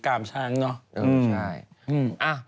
กามช้างเนาะ